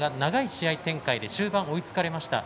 試合展開で中盤追いつかれました。